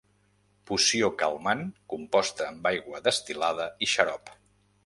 Poció calmant composta amb aigua destil·lada i xarop.